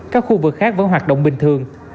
các khu vực khác vẫn hoạt động bình thường